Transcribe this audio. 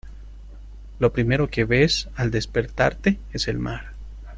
lo primero que ves al despertarte es el mar.